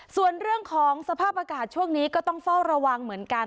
ส่วนเรื่องของสภาพอากาศช่วงนี้ก็ต้องเฝ้าระวังเหมือนกัน